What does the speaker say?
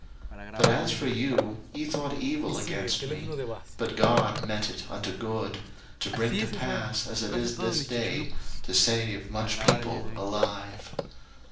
01:050:020 But as for you, ye thought evil against me; but God meant it unto good, to bring to pass, as it is this day, to save much people alive.